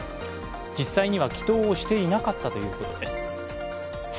実際には祈とうをしていなかったということです。